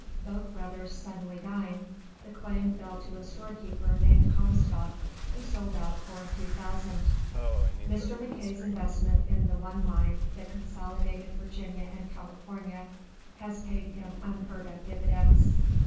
Both brothers suddenly dying, the claim fell to a storekeeper named Comstock who sold out for a few thousand. Mr. MacKay's investment in the one mine, the "Consolidated Virginia and California," has paid him unheard of dividends.